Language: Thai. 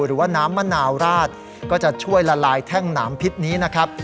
หรือว่าน้ำมะนาวราดก็จะช่วยละลายแท่งหนามพิษนี้นะครับ